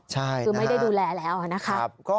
ใช่นะครับคือไม่ได้ดูแลแล้วนะคะคือไม่ได้ดูแลแล้ว